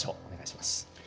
お願いします。